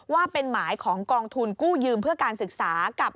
ว่าเป็นหมายของกองทุนกู้ยืมเพื่อการศึกษากับ